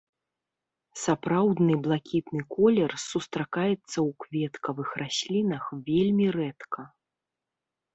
Сапраўдны блакітны колер сустракаецца ў кветкавых раслінах вельмі рэдка.